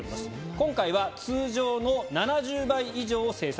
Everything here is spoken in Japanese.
今回は通常の７０倍以上を製作。